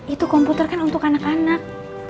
itu komputer kan untuk anak anak